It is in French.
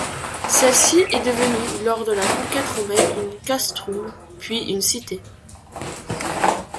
Celle-ci est devenue, lors de la conquête romaine, un castrum, puis une cité.